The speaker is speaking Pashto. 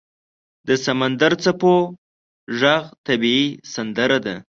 • د سمندر څپو ږغ طبیعي سندره ده.